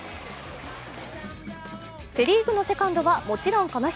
セ・リーグのセカンドはもちろんこの人。